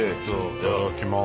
いただきます。